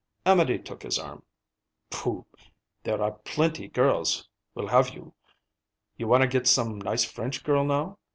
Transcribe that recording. Amédée took his arm. "Pooh! There are plenty girls will have you. You wanna get some nice French girl, now.